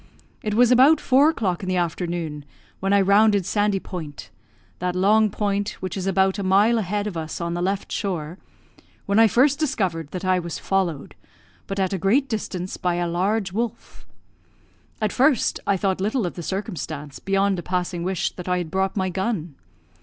It was about four o'clock in the afternoon when I rounded Sandy Point, that long point which is about a mile a head of us on the left shore, when I first discovered that I was followed, but at a great distance, by a large wolf. At first, I thought little of the circumstance, beyond a passing wish that I had brought my gun.